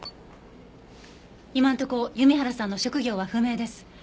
今のところユミハラさんの職業は不明です。